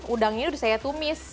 udangnya udah saya tumis